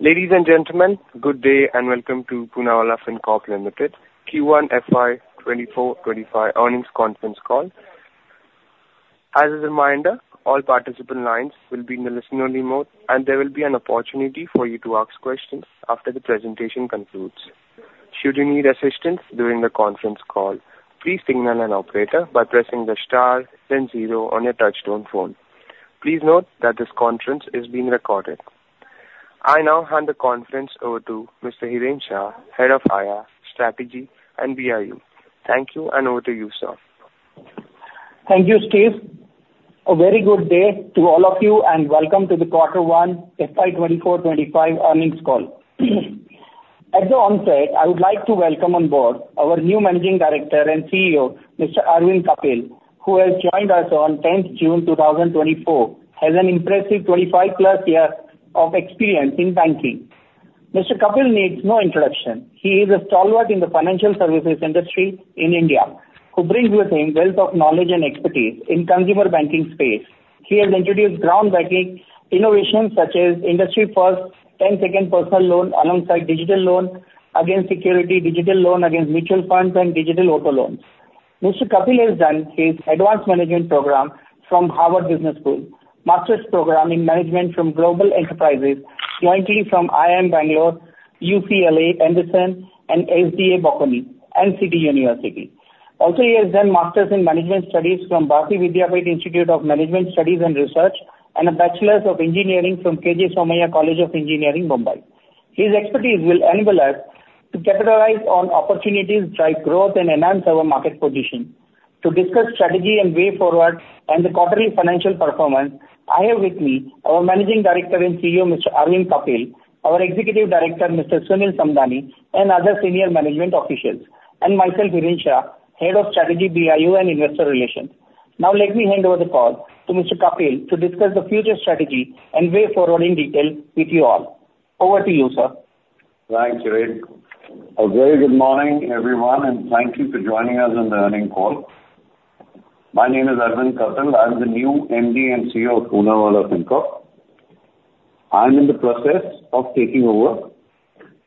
Ladies and gentlemen, good day and welcome to Poonawalla Fincorp Limited, Q1 FY 2024-25 earnings conference call. As a reminder, all participant lines will be in the listen-only mode, and there will be an opportunity for you to ask questions after the presentation concludes. Should you need assistance during the conference call, please signal an operator by pressing the star then zero on your touchtone phone. Please note that this conference is being recorded. I now hand the conference over to Mr. Hiren Shah, Head of IR, Strategy and BIU. Thank you, and over to you, sir. Thank you, Steve. A very good day to all of you, and welcome to the Quarter one FY 2024-25 earnings call. At the onset, I would like to welcome on board our new Managing Director and CEO, Mr. Arvind Kapil, who has joined us on 10th June 2024, has an impressive 25+ years of experience in banking. Mr. Kapil needs no introduction. He is a stalwart in the financial services industry in India, who brings with him wealth of knowledge and expertise in consumer banking space. He has introduced groundbreaking innovations such as industry-first 10-second personal loan, alongside digital loan against security, digital loan against mutual funds, and digital auto loans. Mr. Kapil has done his advanced management program from Harvard Business School, master's program in management from Global Enterprises, jointly from IIM Bangalore, UCLA Anderson, and SDA Bocconi, and City University. Also, he has done Master's in Management Studies from Bharati Vidyapeeth Institute of Management Studies and Research, and a Bachelor's of Engineering from K.J. Somaiya College of Engineering, Bombay. His expertise will enable us to capitalize on opportunities, drive growth, and enhance our market position. To discuss strategy and way forward and the quarterly financial performance, I have with me our Managing Director and CEO, Mr. Arvind Kapil, our Executive Director, Mr. Sunil Samdani, and other senior management officials, and myself, Hiren Shah, Head of Strategy, BIU, and Investor Relations. Now, let me hand over the call to Mr. Kapil to discuss the future strategy and way forward in detail with you all. Over to you, sir. Thanks, Hiren. A very good morning, everyone, and thank you for joining us on the earnings call. My name is Arvind Kapil. I am the new MD and CEO of Poonawalla Fincorp. I'm in the process of taking over.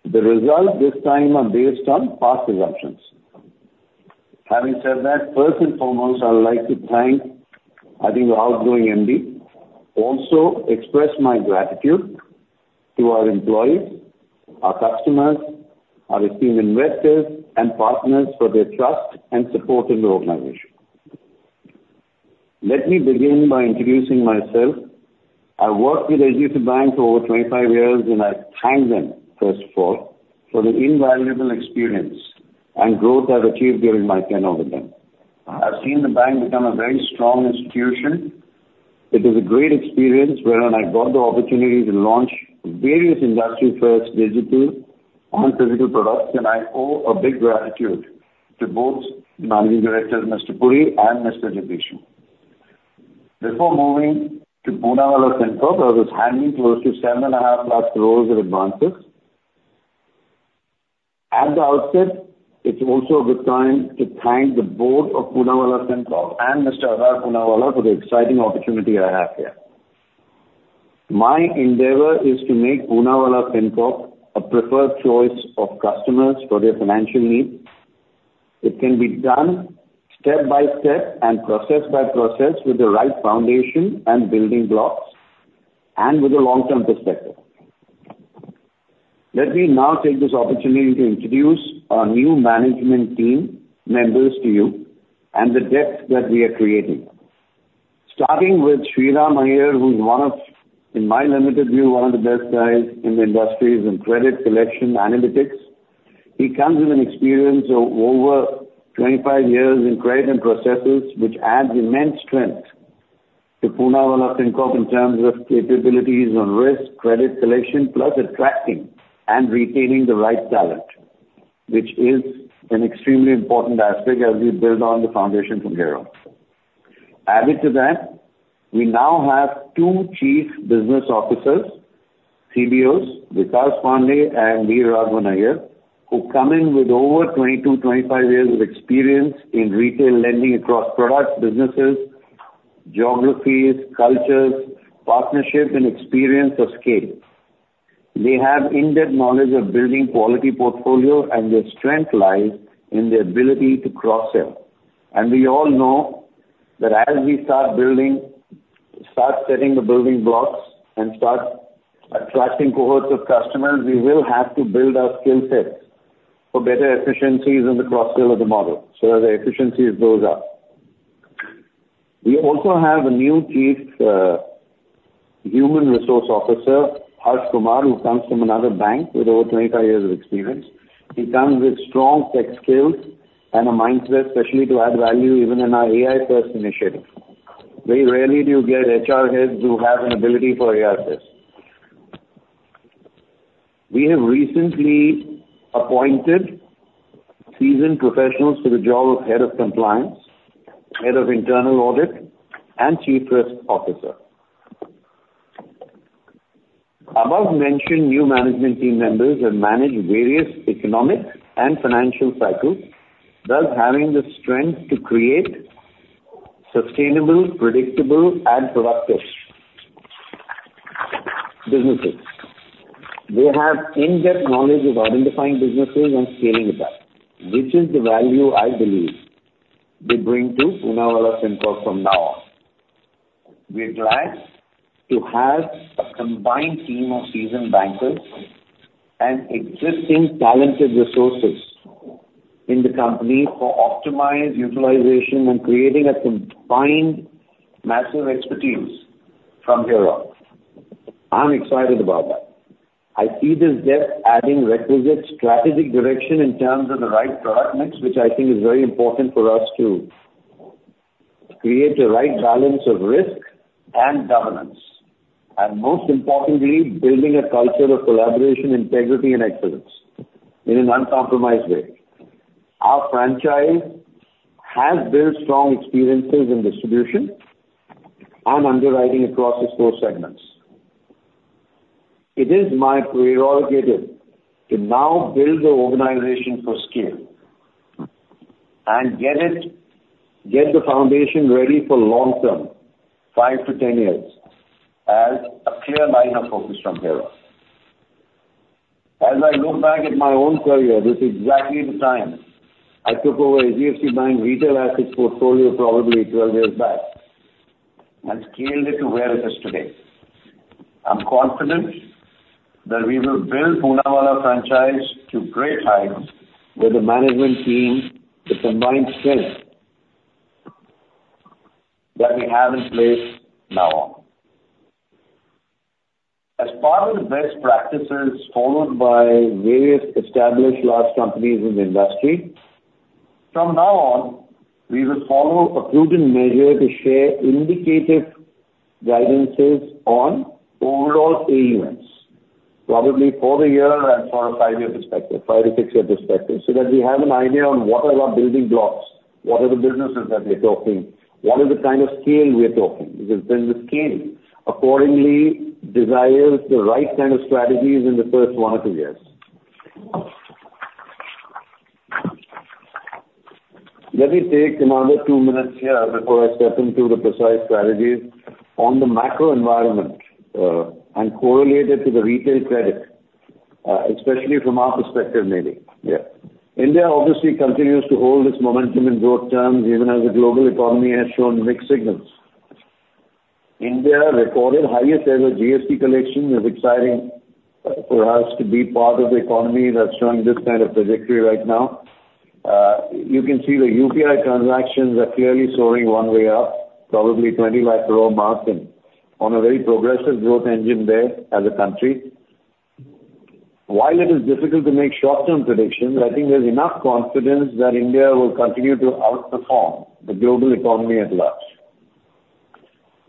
The results this time are based on past assumptions. Having said that, first and foremost, I would like to thank Abhay, the outgoing MD, also express my gratitude to our employees, our customers, our esteemed investors and partners for their trust and support in the organization. Let me begin by introducing myself. I worked with Axis Bank for over 25 years, and I thank them, first of all, for the invaluable experience and growth I've achieved during my tenure with them. I've seen the bank become a very strong institution. It is a great experience, wherein I got the opportunity to launch various industry-first digital and physical products, and I owe a big gratitude to both Managing Director, Mr. Puri and Mr. Jagdish. Before moving to Poonawalla Fincorp, I was handling close to 750,000 crore in advances. At the outset, it's also a good time to thank the board of Poonawalla Fincorp and Mr. Adar Poonawalla for the exciting opportunity I have here. My endeavor is to make Poonawalla Fincorp a preferred choice of customers for their financial needs. It can be done step by step and process by process with the right foundation and building blocks and with a long-term perspective. Let me now take this opportunity to introduce our new management team members to you and the depth that we are creating. Starting with Shriram Iyer, who's one of, in my limited view, one of the best guys in the industry in credit collection analytics. He comes with an experience of over 25 years in credit and processes, which adds immense strength to Poonawalla Fincorp in terms of capabilities on risk, credit collection, plus attracting and retaining the right talent, which is an extremely important aspect as we build on the foundation from here on. Added to that, we now have two chief business officers, CBOs, Vikas Pandey and Raghavan Iyer, who come in with over 22, 25 years of experience in retail lending across products, businesses, geographies, cultures, partnerships, and experience of scale. They have in-depth knowledge of building quality portfolio, and their strength lies in their ability to cross-sell. And we all know that as we start building... Start setting the building blocks and start attracting cohorts of customers, we will have to build our skill sets for better efficiencies in the cross-sell of the model so that the efficiency goes up. We also have a new Chief Human Resources Officer, Harsh Kumar, who comes from another bank with over 25 years of experience. He comes with strong tech skills and a mindset, especially to add value, even in our AI-first initiative. Very rarely do you get HR heads who have an ability for AI skills. We have recently appointed seasoned professionals to the job of head of compliance, head of internal audit, and chief risk officer. Above-mentioned new management team members have managed various economic and financial cycles, thus having the strength to create sustainable, predictable, and productive businesses. They have in-depth knowledge of identifying businesses and scaling it up, which is the value I believe they bring to Poonawalla Fincorp from now on. We are glad to have a combined team of seasoned bankers and existing talented resources in the company for optimized utilization and creating a combined massive expertise from here on. I'm excited about that. I see this depth adding requisite strategic direction in terms of the right product mix, which I think is very important for us to create the right balance of risk and governance, and most importantly, building a culture of collaboration, integrity, and excellence in an uncompromised way. Our franchise has built strong experiences in distribution and underwriting across its core segments. It is my prerogative to now build the organization for scale and get it, get the foundation ready for long term, 5-10 years, as a clear line of focus from here on. As I look back at my own career, this is exactly the time I took over HDFC Bank retail assets portfolio, probably 12 years back, and scaled it to where it is today. I'm confident that we will build Poonawalla franchise to great heights with the management team, the combined strength that we have in place now on. As part of the best practices followed by various established large companies in the industry, from now on, we will follow a prudent measure to share indicative guidances on overall AUMs, probably for the year and for a five-year perspective, five- to six-year perspective, so that we have an idea on what are our building blocks, what are the businesses that we're talking, what is the kind of scale we are talking. Because then the scale accordingly desires the right kind of strategies in the first one or two years. Let me take another two minutes here before I step into the precise strategies on the macro environment, and correlate it to the retail credit, especially from our perspective, maybe. Yeah. India obviously continues to hold its momentum in growth terms, even as the global economy has shown mixed signals. India recorded highest ever GST collection. It's exciting for us to be part of the economy that's showing this kind of trajectory right now. You can see the UPI transactions are clearly soaring one way up, probably 2,000,000 crore mark, and on a very progressive growth engine there as a country. While it is difficult to make short-term predictions, I think there's enough confidence that India will continue to outperform the global economy at large,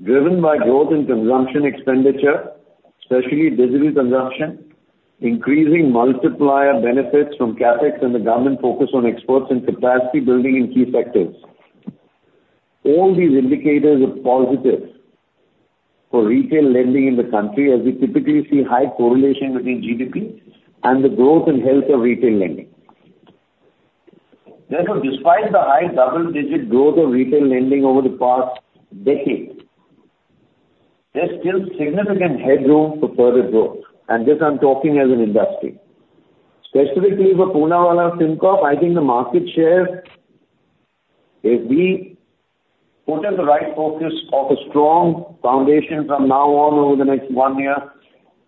driven by growth in consumption expenditure, especially digital consumption, increasing multiplier benefits from CapEx, and the government focus on exports and capacity building in key sectors. All these indicators are positive for retail lending in the country, as we typically see high correlation between GDP and the growth and health of retail lending. Therefore, despite the high double-digit growth of retail lending over the past decade, there's still significant headroom for further growth, and this, I'm talking as an industry. Specifically for Poonawalla Fincorp, I think the market share, if we put in the right focus of a strong foundation from now on, over the next one year,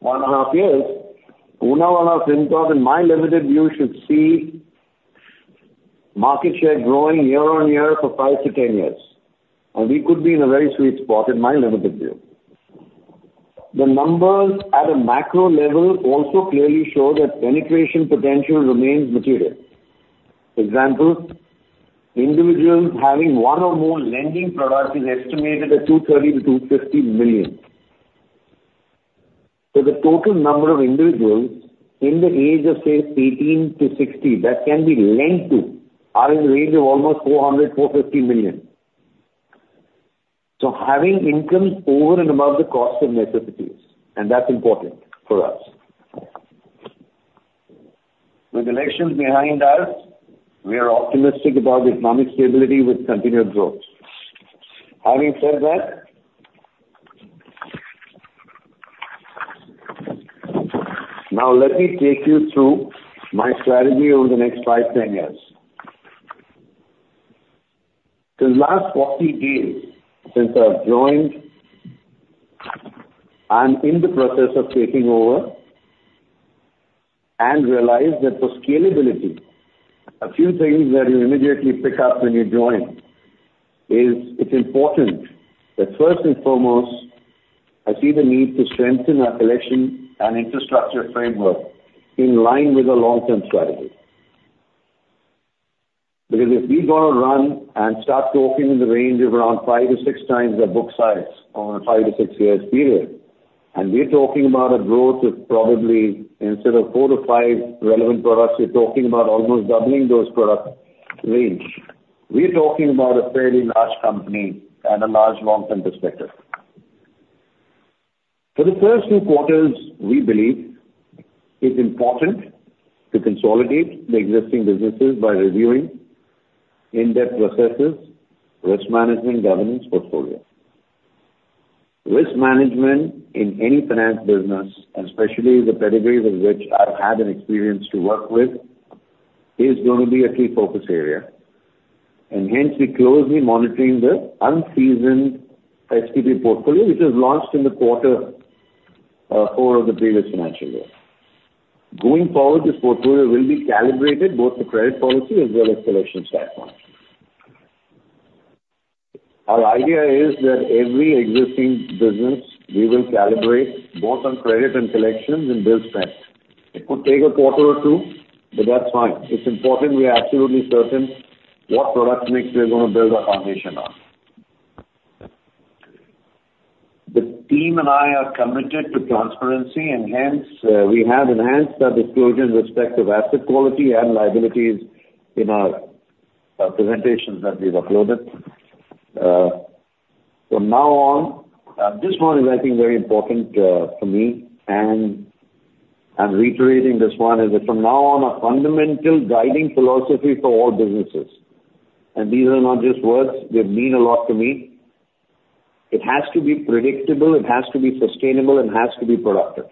one and a half years, Poonawalla Fincorp, in my limited view, should see market share growing year on year for five to 10 years, and we could be in a very sweet spot, in my limited view. The numbers at a macro level also clearly show that penetration potential remains material. Example, individuals having one or more lending products is estimated at 230 to 250 million. So the total number of individuals in the age of, say, 18 to 60, that can be lent to are in the range of almost 400-450 million. So having income over and above the cost of necessities, and that's important for us. With elections behind us, we are optimistic about economic stability with continued growth. Having said that, now let me take you through my strategy over the next 5-10 years. The last 40 days since I've joined, I'm in the process of taking over and realize that for scalability, a few things that you immediately pick up when you join is it's important that first and foremost, I see the need to strengthen our collection and infrastructure framework in line with a long-term strategy. Because if we want to run and start talking in the range of around 5-6 times our book size on a 5-6 years period, and we're talking about a growth of probably instead of 4-5 relevant products, we're talking about almost doubling those product range. We're talking about a fairly large company and a large long-term perspective. For the first two quarters, we believe it's important to consolidate the existing businesses by reviewing in-depth processes, risk management, governance portfolio. Risk management in any finance business, especially the pedigree with which I've had an experience to work with, is going to be a key focus area, and hence we're closely monitoring the unseasoned STP portfolio, which was launched in the quarter over the previous financial year. Going forward, this portfolio will be calibrated both the credit policy as well as collection standpoint. Our idea is that every existing business, we will calibrate both on credit and collections and build strength. It could take a quarter or two, but that's fine. It's important we are absolutely certain what product mix we are going to build our foundation on. The team and I are committed to transparency, and hence, we have enhanced the disclosure in respect of asset quality and liabilities in our presentations that we've uploaded. From now on, this one is, I think, very important, for me, and I'm reiterating this one, is that from now on, our fundamental guiding philosophy for all businesses, and these are not just words, they mean a lot to me, it has to be predictable, it has to be sustainable, and it has to be productive.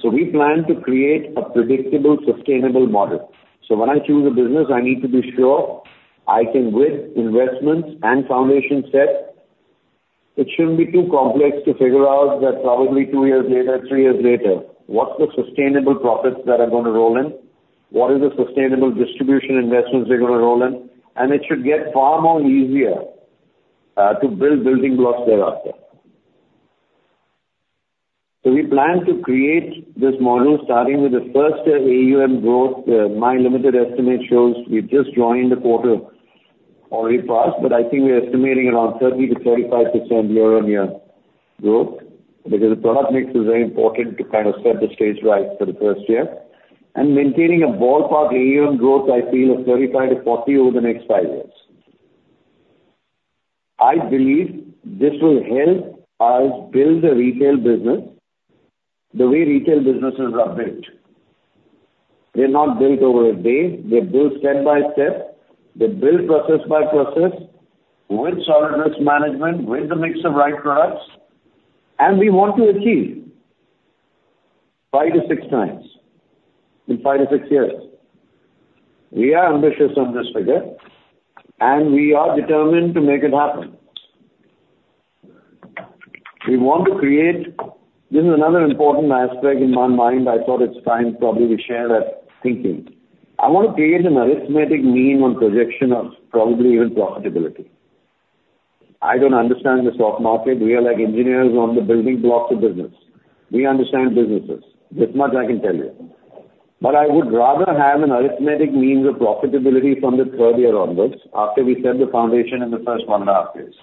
So we plan to create a predictable, sustainable model. So when I choose a business, I need to be sure I can, with investments and foundation set, it shouldn't be too complex to figure out that probably two years later, three years later, what's the sustainable profits that are going to roll in? What is the sustainable distribution investments are going to roll in? And it should get far more easier, to build building blocks thereafter. So we plan to create this model, starting with the first year AUM growth. My limited estimate shows we just joined the quarter already passed, but I think we are estimating around 30%-35% year-on-year growth, because the product mix is very important to kind of set the stage right for the first year. And maintaining a ballpark AUM growth, I feel, of 35%-40% over the next five years. I believe this will help us build a retail business the way retail businesses are built. They're not built over a day, they're built step by step, they're built process by process, with solid risk management, with a mix of right products. We want to achieve 5-6 times in 5-6 years. We are ambitious on this figure, and we are determined to make it happen. We want to create... This is another important aspect in my mind. I thought it's time probably to share that thinking. I want to create an arithmetic mean on projection of probably even profitability. I don't understand the stock market. We are like engineers on the building blocks of business. We understand businesses, this much I can tell you. But I would rather have an arithmetic means of profitability from the third year onwards, after we set the foundation in the first 1.5 years,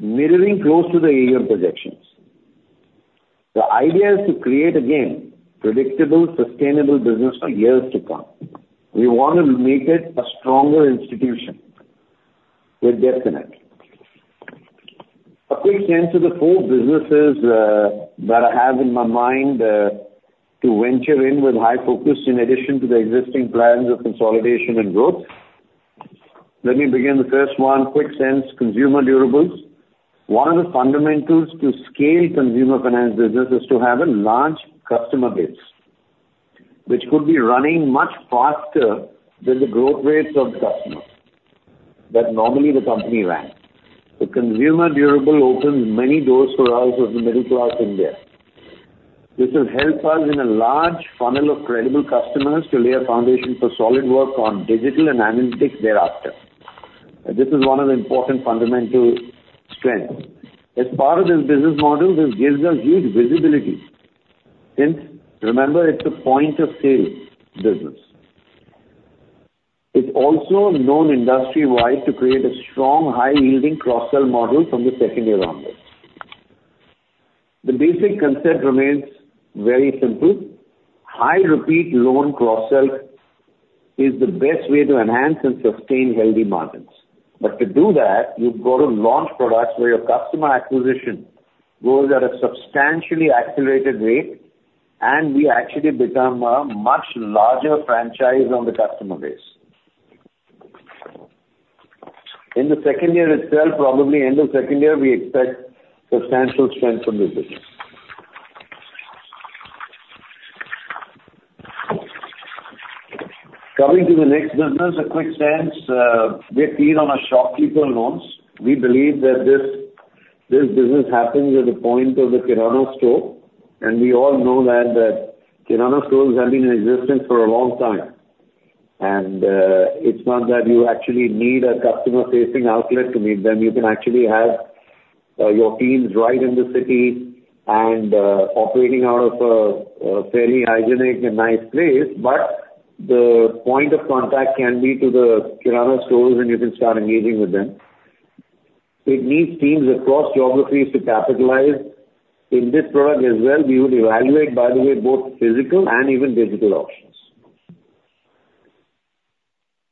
mirroring close to the AUM projections. The idea is to create, again, predictable, sustainable business for years to come. We want to make it a stronger institution with definite. A quick sense of the 4 businesses that I have in my mind to venture in with high focus in addition to the existing plans of consolidation and growth. Let me begin the first one. Quick sense, consumer durables. One of the fundamentals to scale consumer finance business is to have a large customer base, which could be running much faster than the growth rates of the customer that normally the company ranks. The consumer durables opens many doors for us of the middle class in India. This will help us in a large funnel of credible customers to lay a foundation for solid work on digital and analytics thereafter. This is one of the important fundamental strengths. As part of this business model, this gives us huge visibility. Since, remember, it's a point of sale business. It's also known industry-wide to create a strong, high-yielding cross-sell model from the second year onwards. The basic concept remains very simple: high repeat loan cross-sell is the best way to enhance and sustain healthy margins. But to do that, you've got to launch products where your customer acquisition grows at a substantially accelerated rate, and we actually become a much larger franchise on the customer base. In the second year itself, probably end of second year, we expect substantial strength from this business. Coming to the next business, a quick sense, we feed on our shopkeeper loans. We believe that this, this business happens at the point of the kirana store, and we all know well that kirana stores have been in existence for a long time. And, it's not that you actually need a customer-facing outlet to meet them. You can actually have your teams right in the city and operating out of a fairly hygienic and nice place, but the point of contact can be to the kirana stores, and you can start engaging with them. It needs teams across geographies to capitalize. In this product as well, we would evaluate, by the way, both physical and even digital options...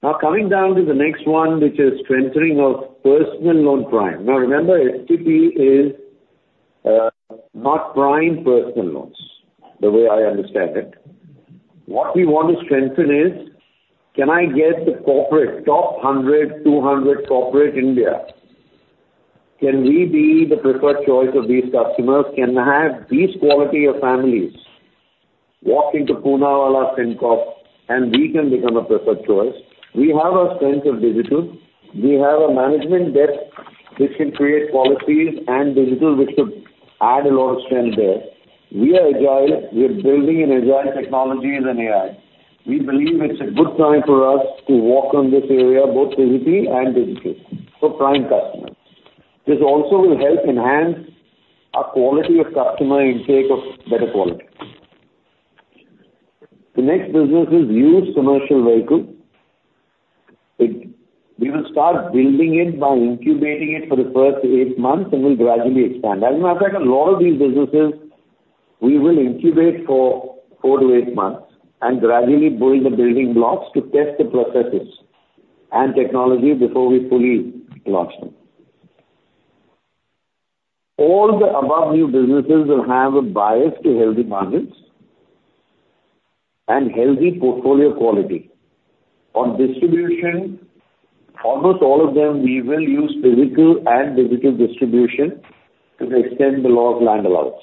Now, coming down to the next one, which is strengthening of personal loan prime. Now, remember, STP is not prime personal loans, the way I understand it. What we want to strengthen is, can I get the corporate top 100, 200 corporate India? Can we be the preferred choice of these customers? Can I have these quality of families walk into Poonawalla Fincorp, and we can become a preferred choice? We have our strength of digital. We have a management depth, which can create policies and digital, which could add a lot of strength there. We are agile. We are building in agile technologies and AI. We believe it's a good time for us to work on this area, both physically and digital, for prime customers. This also will help enhance our quality of customer intake of better quality. The next business is used commercial vehicle. We will start building it by incubating it for the first 8 months, and we'll gradually expand. As a matter of fact, a lot of these businesses, we will incubate for 4-8 months and gradually build the building blocks to test the processes and technology before we fully launch them. All the above new businesses will have a bias to healthy margins and healthy portfolio quality. On distribution, almost all of them, we will use physical and digital distribution to the extent the law of land allows.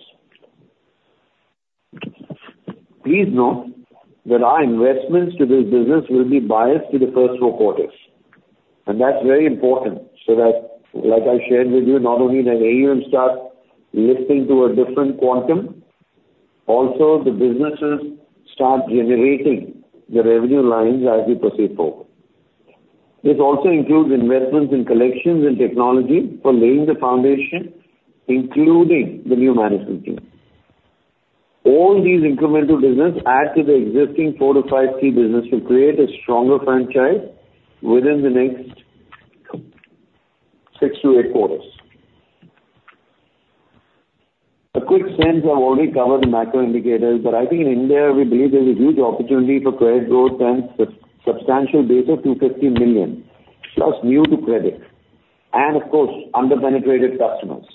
Please note that our investments to this business will be biased to the first 4 quarters, and that's very important. So that, like I shared with you, not only does AUM start lifting to a different quantum, also the businesses start generating the revenue lines as we proceed forward. This also includes investments in collections and technology for laying the foundation, including the new management team. All these incremental business add to the existing 4-5 key business to create a stronger franchise within the next 6-8 quarters. A quick sense, I've already covered the macro indicators, but I think in India, we believe there's a huge opportunity for credit growth and substantial base of 250 million, plus new to credit, and of course, under-penetrated customers.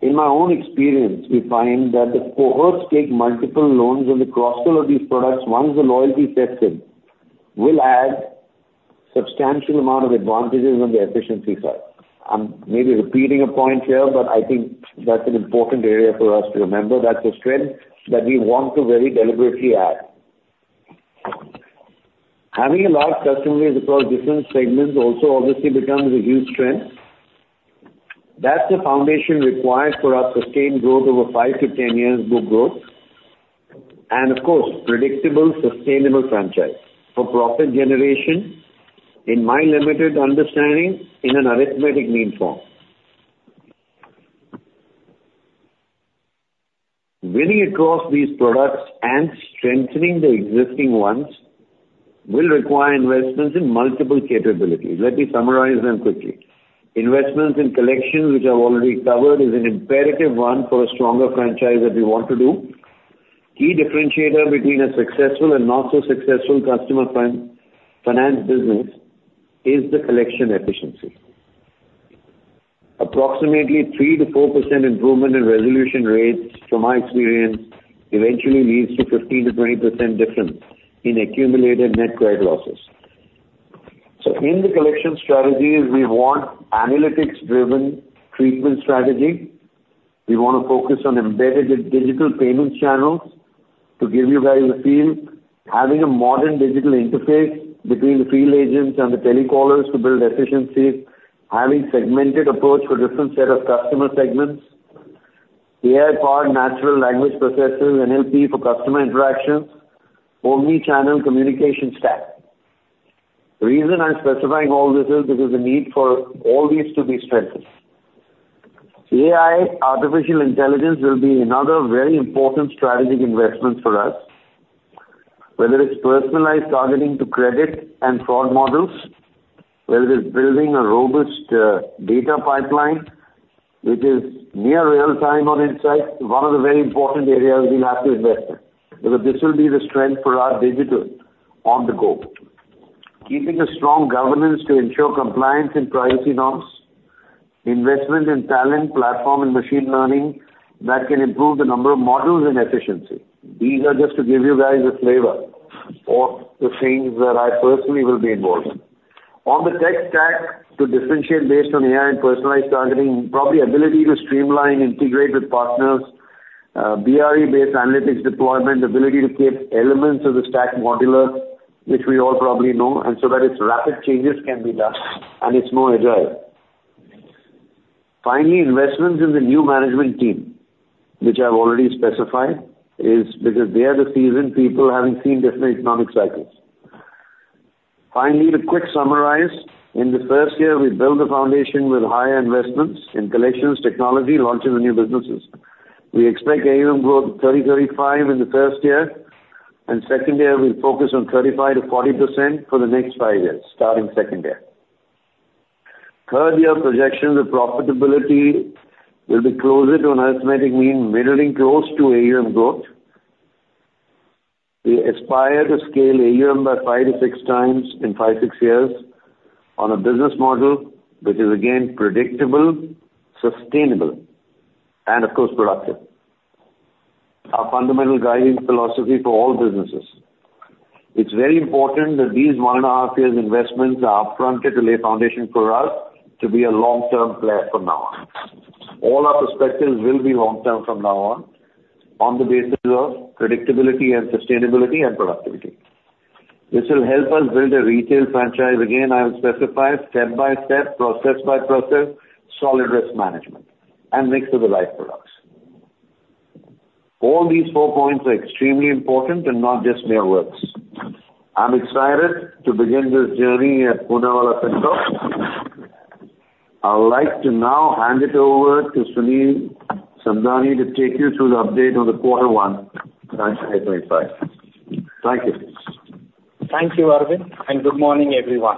In my own experience, we find that the cohorts take multiple loans, and the cost of these products, once the loyalty sets in, will add substantial amount of advantages on the efficiency side. I'm maybe repeating a point here, but I think that's an important area for us to remember. That's a strength that we want to very deliberately add. Having a large customer base across different segments also obviously becomes a huge strength. That's the foundation required for our sustained growth over 5-10 years book growth, and of course, predictable, sustainable franchise for profit generation, in my limited understanding, in an arithmetic mean form. Winning across these products and strengthening the existing ones will require investments in multiple capabilities. Let me summarize them quickly. Investments in collections, which I've already covered, is an imperative one for a stronger franchise that we want to do. Key differentiator between a successful and not so successful customer fund-finance business is the collection efficiency. Approximately 3%-4% improvement in resolution rates, from my experience, eventually leads to 15%-20% difference in accumulated net credit losses. So in the collection strategies, we want analytics-driven treatment strategy. We want to focus on embedded digital payment channels to give you guys a feel, having a modern digital interface between the field agents and the telecallers to build efficiency, having segmented approach for different set of customer segments, AI-powered natural language processor, NLP, for customer interactions, omni-channel communication stack. The reason I'm specifying all this is because the need for all these to be strengthened. AI, artificial intelligence, will be another very important strategic investment for us, whether it's personalized targeting to credit and fraud models, whether it's building a robust, data pipeline, which is near real time on insight, one of the very important areas we'll have to invest in. Because this will be the strength for our digital on the go. Keeping a strong governance to ensure compliance and privacy norms, investment in talent, platform, and machine learning, that can improve the number of models and efficiency. These are just to give you guys a flavor of the things that I personally will be involved in. On the tech stack, to differentiate based on AI and personalized targeting, probably ability to streamline, integrate with partners, BRE-based analytics deployment, the ability to keep elements of the stack modular, which we all probably know, and so that its rapid changes can be done and it's more agile. Finally, investments in the new management team, which I've already specified, is because they are the seasoned people having seen different economic cycles. Finally, to quick summarize, in the first year, we build a foundation with higher investments in collections, technology, launching the new businesses. We expect AUM growth of 30%-35% in the first year, and second year, we focus on 35%-40% for the next five years, starting second year.... Third year projection, the profitability will be closer to an arithmetic mean, middling close to AUM growth. We aspire to scale AUM by 5-6 times in 5-6 years on a business model that is, again, predictable, sustainable, and of course, productive, our fundamental guiding philosophy for all businesses. It's very important that these 1.5 years investments are up fronted to lay a foundation for us to be a long-term player from now on. All our perspectives will be long-term from now on, on the basis of predictability and sustainability and productivity. This will help us build a retail franchise. Again, I will specify step by step, process by process, solid risk management, and mix of the right products. All these four points are extremely important and not just mere words. I'm excited to begin this journey at Poonawalla Fincorp. I would like to now hand it over to Sunil Samdani, to take you through the update on the Quarter one, FY25. Thank you. Thank you, Arvind, and good morning, everyone.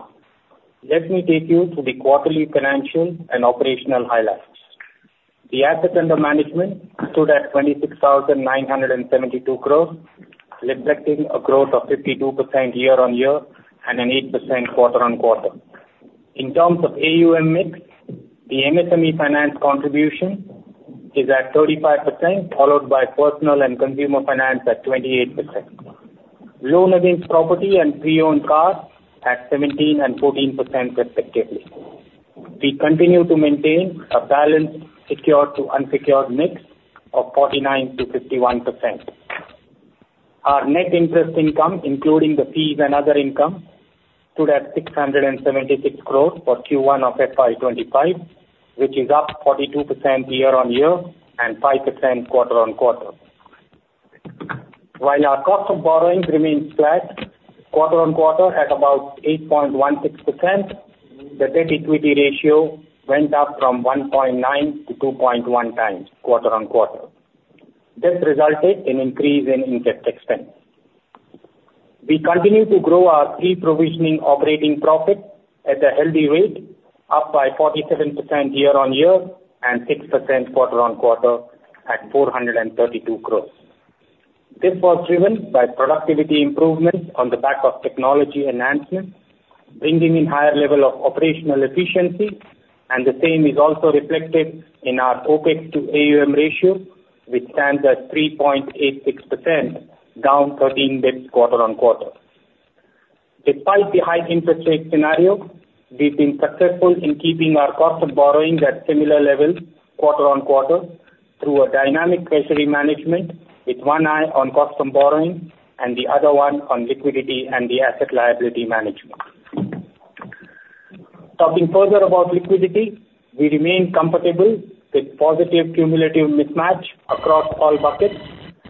Let me take you through the quarterly financial and operational highlights. The asset under management stood at 26,972 crore, reflecting a growth of 52% year-on-year and an 8% quarter-on-quarter. In terms of AUM mix, the MSME finance contribution is at 35%, followed by personal and consumer finance at 28%. Loan against property and pre-owned cars at 17% and 14% respectively. We continue to maintain a balanced, secured to unsecured mix of 49%-51%. Our net interest income, including the fees and other income, stood at 676 crore for Q1 of FY25, which is up 42% year-on-year and 5% quarter-on-quarter. While our cost of borrowing remains flat, quarter-on-quarter at about 8.16%, the debt equity ratio went up from 1.9 to 2.1 times, quarter-on-quarter. This resulted in increase in interest expense. We continue to grow our pre-provisioning operating profit at a healthy rate, up by 47% year-on-year and 6% quarter-on-quarter at 432 crore. This was driven by productivity improvements on the back of technology enhancements, bringing in higher level of operational efficiency, and the same is also reflected in our OpEx to AUM ratio, which stands at 3.86%, down 13 basis points quarter-on-quarter. Despite the high interest rate scenario, we've been successful in keeping our cost of borrowing at similar levels quarter-on-quarter through a dynamic treasury management, with one eye on cost of borrowing and the other one on liquidity and the asset liability management. Talking further about liquidity, we remain comfortable with positive cumulative mismatch across all buckets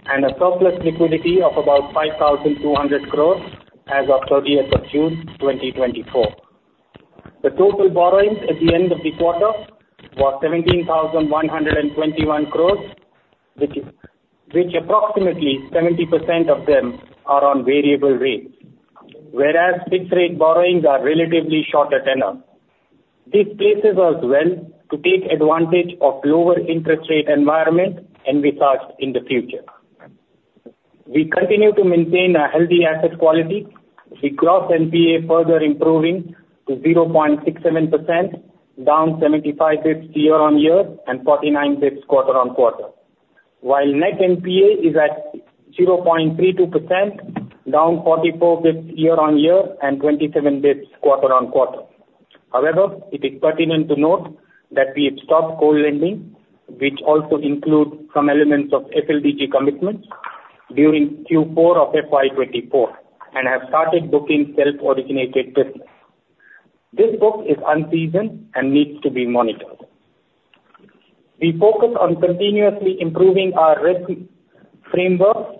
and a surplus liquidity of about 5,200 crore as of thirtieth of June 2024. The total borrowings at the end of the quarter was 17,121 crore, which approximately 70% of them are on variable rates, whereas fixed rate borrowings are relatively shorter tenure. This places us well to take advantage of lower interest rate environment envisaged in the future. We continue to maintain a healthy asset quality, the gross NPA further improving to 0.67%, down 75 basis points year-on-year and 49 basis points quarter-on-quarter. While net NPA is at 0.32%, down 44 basis points year-on-year and 27 basis points quarter-on-quarter. However, it is pertinent to note that we have stopped cold lending, which also includes some elements of FLDG commitments during Q4 of FY 2024, and have started booking self-originated business. This book is unseasoned and needs to be monitored. We focus on continuously improving our risk framework.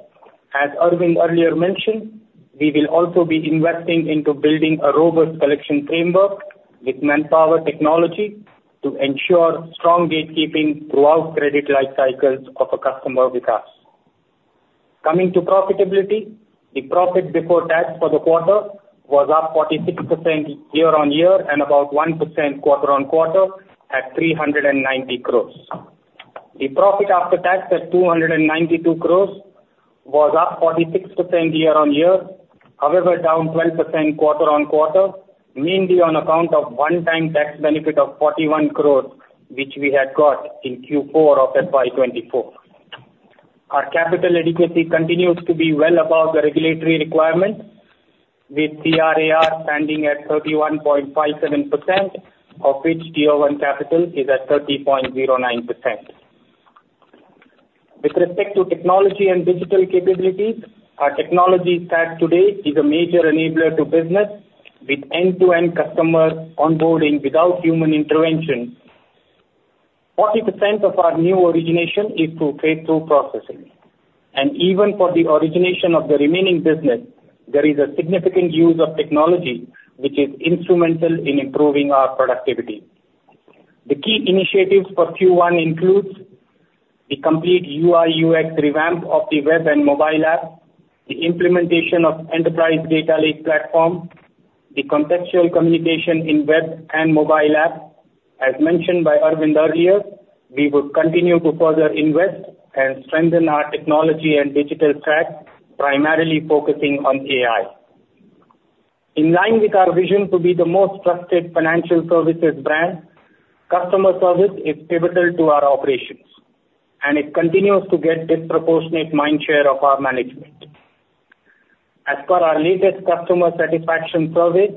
As Arvind earlier mentioned, we will also be investing into building a robust collection framework with manpower technology to ensure strong gatekeeping throughout credit life cycles of a customer with us. Coming to profitability, the profit before tax for the quarter was up 46% year-on-year and about 1% quarter-on-quarter at 390 crore. The profit after tax at 292 crore was up 46% year-on-year, however, down 12% quarter-on-quarter, mainly on account of one-time tax benefit of 41 crore, which we had got in Q4 of FY 2024. Our capital adequacy continues to be well above the regulatory requirement, with CRAR standing at 31.57%, of which Tier 1 capital is at 30.09%. With respect to technology and digital capabilities, our technology stack today is a major enabler to business, with end-to-end customer onboarding without human intervention. 40% of our new origination is through straight-through processing, and even for the origination of the remaining business, there is a significant use of technology which is instrumental in improving our productivity. The key initiatives for Q1 includes the complete UI/UX revamp of the web and mobile app, the implementation of enterprise data lake platform, the contextual communication in web and mobile app. As mentioned by Arvind earlier, we will continue to further invest and strengthen our technology and digital track, primarily focusing on AI. In line with our vision to be the most trusted financial services brand, customer service is pivotal to our operations, and it continues to get disproportionate mind share of our management. As per our latest customer satisfaction survey,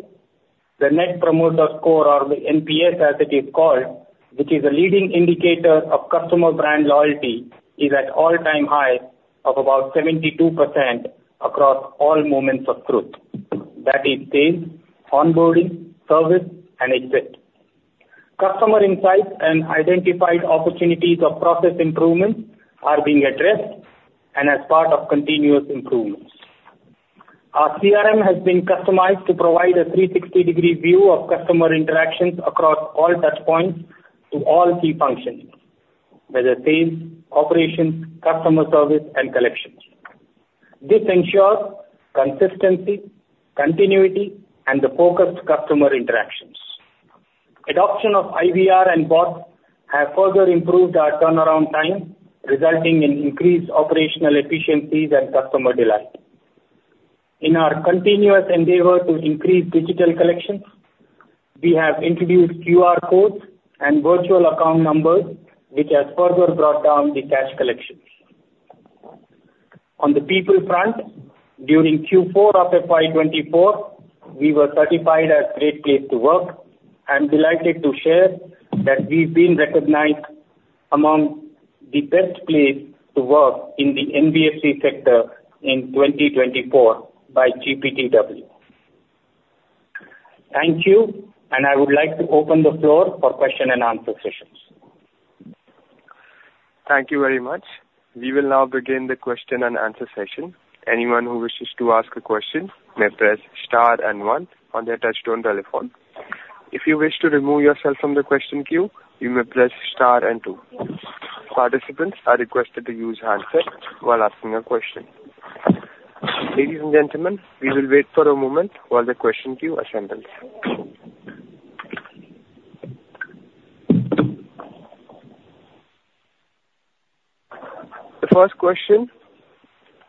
the Net Promoter Score, or the NPS, as it is called, which is a leading indicator of customer brand loyalty, is at all-time high of about 72% across all moments of truth, that is sales, onboarding, service, and exit. Customer insights and identified opportunities of process improvements are being addressed and as part of continuous improvements. Our CRM has been customized to provide a 360-degree view of customer interactions across all touch points to all key functions, whether sales, operations, customer service, and collections. This ensures consistency, continuity, and the focused customer interactions. Adoption of IVR and bots have further improved our turnaround time, resulting in increased operational efficiencies and customer delight. In our continuous endeavor to increase digital collections, we have introduced QR codes and virtual account numbers, which has further brought down the cash collections. On the people front, during Q4 of FY 2024, we were certified as Great Place to Work. I'm delighted to share that we've been recognized among the best place to work in the NBFC sector in 2024 by GPTW. Thank you, and I would like to open the floor for question and answer sessions. Thank you very much. We will now begin the question-and-answer session. Anyone who wishes to ask a question may press star and one on their touchtone telephone. If you wish to remove yourself from the question queue, you may press star and two. Participants are requested to use handset while asking a question. Ladies and gentlemen, we will wait for a moment while the question queue assembles. The first question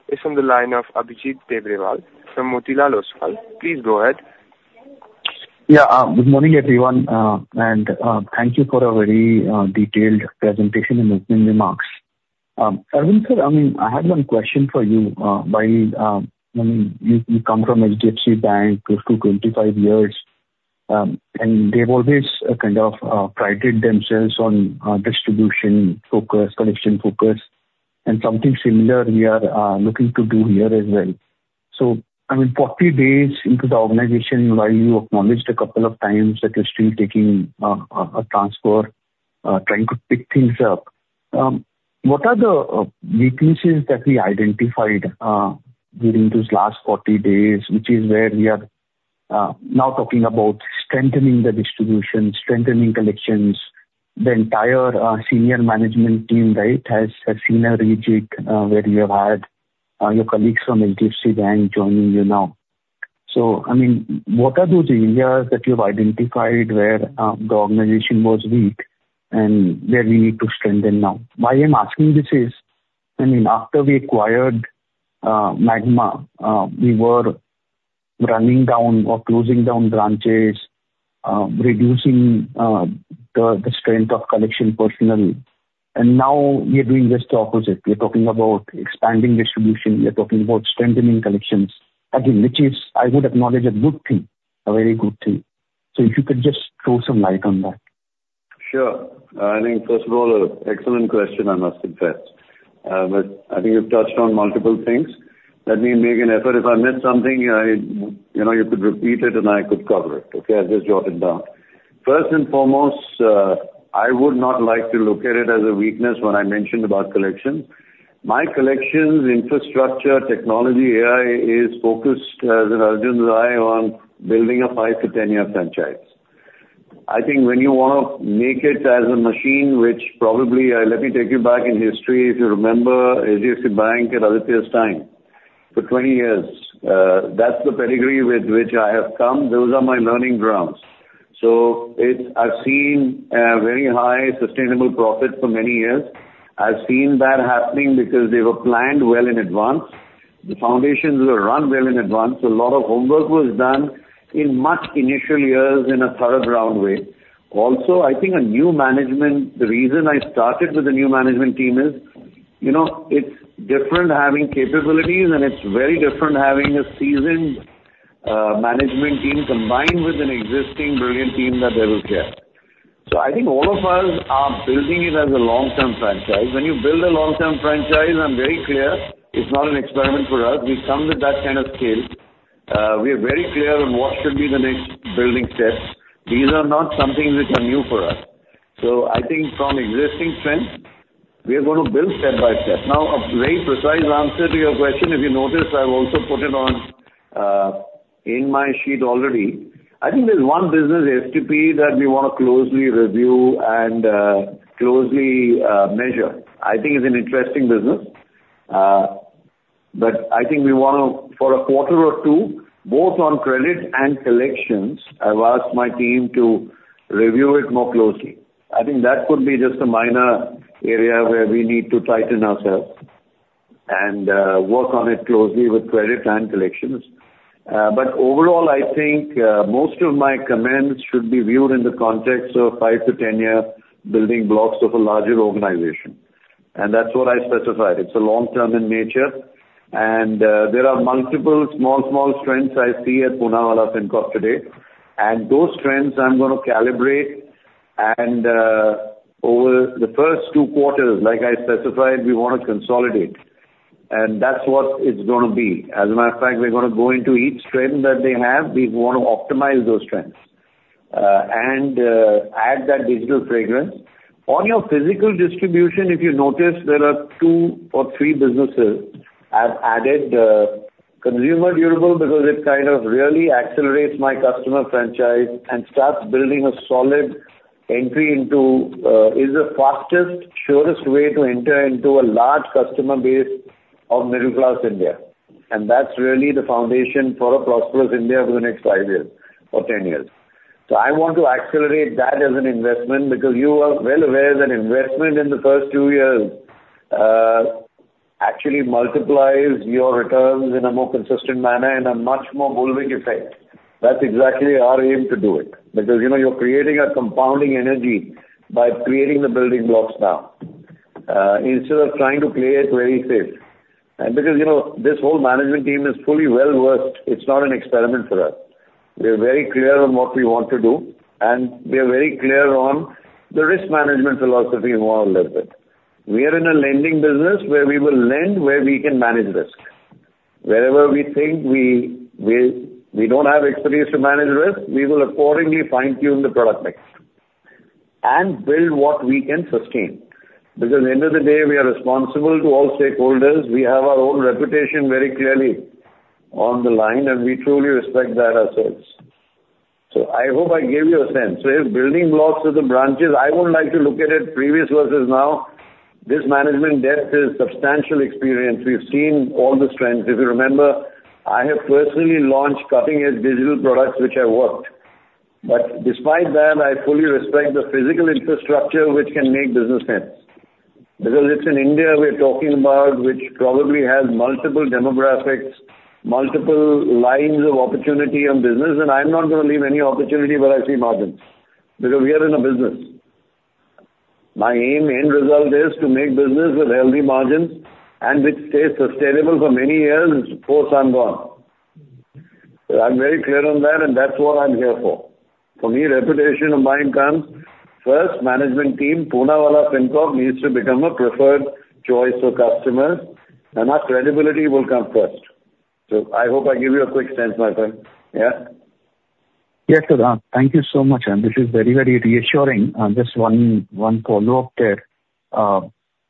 is on the line of Abhijit Tibrewal from Motilal Oswal. Please go ahead. Yeah. Good morning, everyone, and thank you for a very detailed presentation and opening remarks. Arvind, sir, I mean, I have one question for you. I mean, you come from HDFC Bank, close to 25 years, and they've always kind of prided themselves on distribution focus, collection focus, and something similar we are looking to do here as well. So, I mean, 40 days into the organization, while you acknowledged a couple of times that you're still taking a transfer, trying to pick things up, what are the weaknesses that we identified during these last 40 days, which is where we are now talking about strengthening the distribution, strengthening collections? The entire senior management team, right, has seen a rejig, where you have had your colleagues from HDFC Bank joining you now. So, I mean, what are those areas that you've identified where the organization was weak and where we need to strengthen now? Why I'm asking this is, I mean, after we acquired Magma, we were running down or closing down branches, reducing the strength of collection personnel, and now we are doing just the opposite. We're talking about expanding distribution, we are talking about strengthening collections, again, which is, I would acknowledge, a good thing, a very good thing. So if you could just throw some light on that. Sure. I think, first of all, an excellent question, I must confess. But I think you've touched on multiple things. Let me make an effort. If I miss something, I, you know, you could repeat it, and I could cover it, okay? I'll just jot it down. First and foremost, I would not like to look at it as a weakness when I mentioned about collection. My collections, infrastructure, technology, AI, is focused, as Arjun's eye, on building a 5-to-10-year franchise. I think when you want to make it as a machine, which probably, let me take you back in history, if you remember, HDFC Bank at Aditya's time, for 20 years, that's the pedigree with which I have come. Those are my learning grounds. So it's. I've seen very high sustainable profit for many years. I've seen that happening because they were planned well in advance. The foundations were run well in advance, so a lot of homework was done in the initial years in a thoroughly grounded way. Also, I think a new management, the reason I started with a new management team is, you know, it's different having capabilities, and it's very different having a seasoned management team, combined with an existing brilliant team that they will get. So I think all of us are building it as a long-term franchise. When you build a long-term franchise, I'm very clear it's not an experiment for us. We've come with that kind of skill. We are very clear on what should be the next building steps. These are not something which are new for us. So I think from existing trends, we are going to build step by step.... notice, I've also put it on, in my sheet already. I think there's one business, STP, that we wanna closely review and, closely, measure. I think it's an interesting business. But I think we wanna, for a quarter or two, both on credit and collections, I've asked my team to review it more closely. I think that could be just a minor area where we need to tighten ourselves and, work on it closely with credit and collections. But overall, I think, most of my comments should be viewed in the context of five to 10 year building blocks of a larger organization, and that's what I specified. It's long term in nature, and, there are multiple small, small strengths I see at Poonawalla Fincorp today, and those strengths I'm gonna calibrate. Over the first 2 quarters, like I specified, we wanna consolidate, and that's what it's gonna be. As a matter of fact, we're gonna go into each strength that they have. We want to optimize those strengths, and add that digital franchise. On your physical distribution, if you notice, there are 2 or 3 businesses. I've added consumer durable because it kind of really accelerates my customer franchise and starts building a solid entry into. It's the fastest, surest way to enter into a large customer base of middle class India, and that's really the foundation for a prosperous India over the next 5 years or 10 years. So I want to accelerate that as an investment because you are well aware that investment in the first two years actually multiplies your returns in a more consistent manner, in a much more bulbing effect. That's exactly our aim to do it, because, you know, you're creating a compounding energy by creating the building blocks now instead of trying to play it very safe. And because, you know, this whole management team is fully well-versed, it's not an experiment for us. We are very clear on what we want to do, and we are very clear on the risk management philosophy involved with it. We are in a lending business where we will lend where we can manage risk. Wherever we think we don't have expertise to manage risk, we will accordingly fine-tune the product mix and build what we can sustain. Because at the end of the day, we are responsible to all stakeholders. We have our own reputation very clearly on the line, and we truly respect that ourselves. So I hope I gave you a sense. So if building blocks are the branches, I would like to look at it previous versus now. This management depth is substantial experience. We've seen all the strengths. If you remember, I have personally launched cutting-edge digital products, which have worked. But despite that, I fully respect the physical infrastructure which can make business sense. Because it's in India we're talking about, which probably has multiple demographics, multiple lines of opportunity and business, and I'm not gonna leave any opportunity where I see margins, because we are in a business. My aim, end result is to make business with healthy margins and which stays sustainable for many years after I'm gone. So I'm very clear on that, and that's what I'm here for. For me, reputation of mine comes first. Management team, Poonawalla Fincorp needs to become a preferred choice for customers, and our credibility will come first. So I hope I gave you a quick sense, my friend. Yeah? Yes, sir that, thank you so much, and this is very, very reassuring. Just one follow-up there.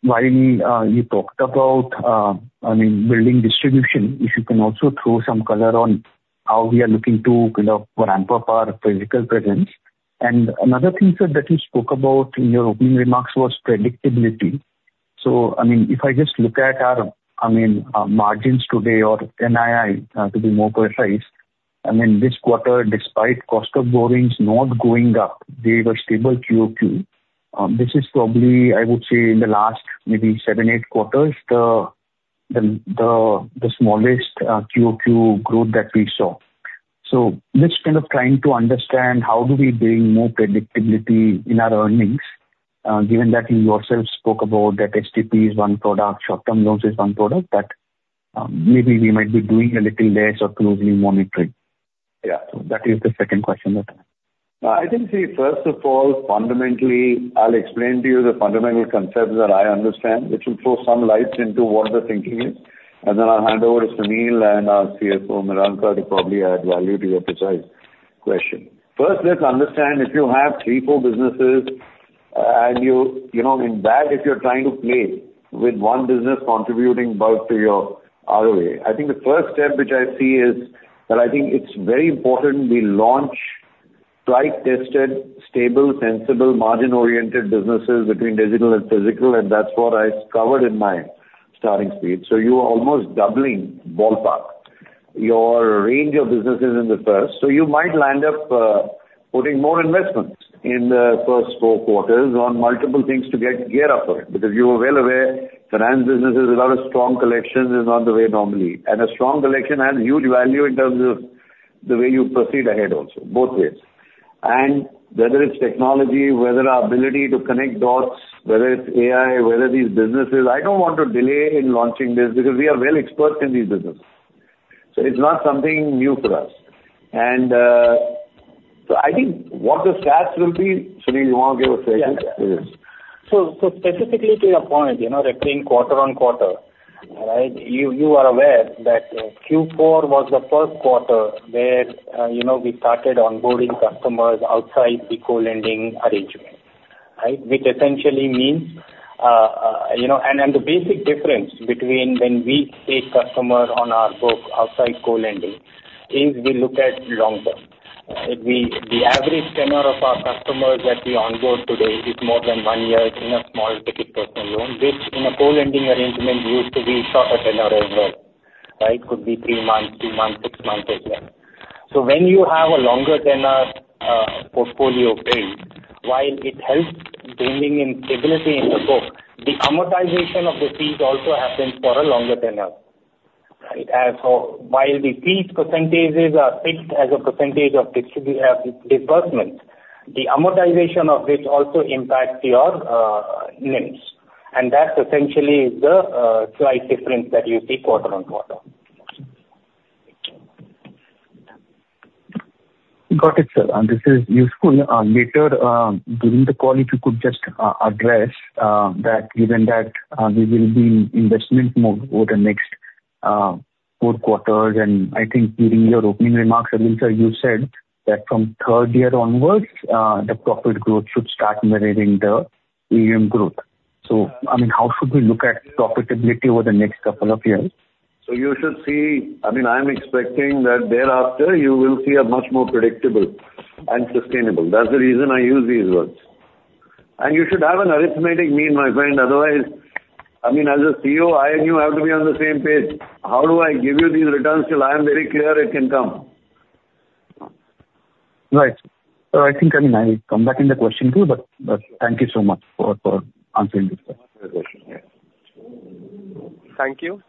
While you talked about, I mean, building distribution, if you can also throw some color on how we are looking to kind of ramp up our physical presence. And another thing, sir, that you spoke about in your opening remarks was predictability. So I mean, if I just look at our, I mean, margins today or NII, to be more precise, I mean, this quarter, despite cost of borrowings not going up, they were stable QOQ. This is probably, I would say, in the last maybe seven, eight quarters, the smallest QOQ growth that we saw. So just kind of trying to understand how do we bring more predictability in our earnings, given that you yourself spoke about that STP is one product, short-term loans is one product, that maybe we might be doing a little less or closely monitoring. Yeah, so that is the second question that I have. I think, see, first of all, fundamentally, I'll explain to you the fundamental concepts that I understand, which will throw some lights into what the thinking is. And then I'll hand over to Sunil and our CFO, will anchor, to probably add value to your precise question. First, let's understand, if you have three, four businesses, and you, you know, in that, if you're trying to play with one business contributing both to your ROA, I think the first step which I see is that I think it's very important we launch tried, tested, stable, sensible, margin-oriented businesses between digital and physical, and that's what I covered in my starting speech. So you are almost doubling, ballpark, your range of businesses in the first. So you might land up putting more investments in the first four quarters on multiple things to get gear up for it, because you are well aware, finance business is a lot of strong collection is not the way normally. And a strong collection has huge value in terms of the way you proceed ahead also, both ways. And whether it's technology, whether our ability to connect dots, whether it's AI, whether these businesses, I don't want to delay in launching this, because we are well exposed in these businesses, so it's not something new for us. And so I think what the stats will be... Sunil, you want to give a second? Yeah. So, so specifically to your point, you know, between quarter-on-quarter, all right? You, you are aware that, Q4 was the 1Q where, you know, we started onboarding customers outside the co-lending arrangement.... Right, which essentially means, you know, and, and the basic difference between when we take customer on our book outside co-lending, is we look at long term. We, the average tenure of our customers that we onboard today is more than 1 year in a small ticket personal loan, which in a co-lending arrangement used to be shorter tenure as well, right? Could be 3 months, 2 months, 6 months as well. So when you have a longer tenure, portfolio base, while it helps building in stability in the book, the amortization of the fees also happens for a longer tenure, right? As for while the fees percentages are fixed as a percentage of disbursement, the amortization of which also impacts your NIMs, and that essentially is the slight difference that you see quarter on quarter. Got it, sir. And this is useful. Later, during the call, if you could just address that given that we will be in investment mode over the next four quarters, and I think during your opening remarks, Arvind, sir, you said that from third year onwards the profit growth should start narrating the growth. So I mean, how should we look at profitability over the next couple of years? You should see... I mean, I'm expecting that thereafter you will see a much more predictable and sustainable. That's the reason I use these words. You should have an arithmetic mean, my friend. Otherwise, I mean, as a CEO, I and you have to be on the same page. How do I give you these returns till I am very clear it can come? Right. So I think, I mean, I come back to the question to you, but thank you so much for answering this question. Thank you.